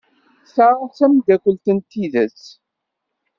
Ta d tameddakelt n tidet.